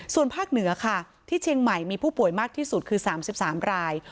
ส่วนภาคเหนือค่ะที่เชียงใหม่มีผู้ป่วยมากที่สุดคือ๓๓ราย